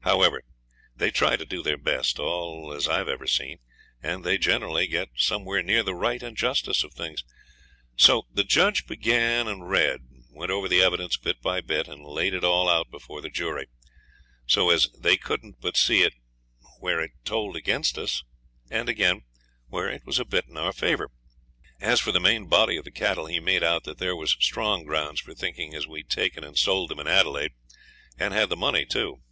However, they try to do their best, all as I've ever seen, and they generally get somewhere near the right and justice of things. So the judge began and read went over the evidence bit by bit, and laid it all out before the jury, so as they couldn't but see it where it told against us, and, again, where it was a bit in our favour. As for the main body of the cattle, he made out that there was strong grounds for thinking as we'd taken and sold them at Adelaide, and had the money too.